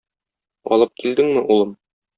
Алып килдеңме, улым?